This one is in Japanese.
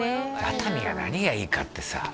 熱海が何がいいかってさ